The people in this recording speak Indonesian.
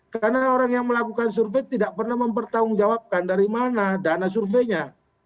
karena orang yang melakukan survei tidak pernah mempertanggungjawabkan dari mana dana surveinya